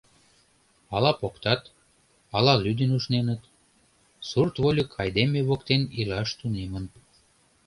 Ала поктат, ала лӱдын ушненыт — сурт вольык айдеме воктен илаш тунемын.